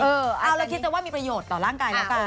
เอาแล้วคิดจะว่ามีประโยชน์ต่อร่างกายแล้วกัน